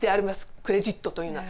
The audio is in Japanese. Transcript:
クレジットというのは。